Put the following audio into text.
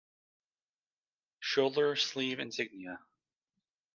Shoulder Sleeve Insignia.